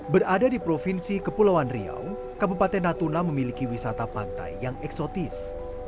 berada di provinsi kepulauan riau kabupaten natuna memiliki wisata pantai yang eksotis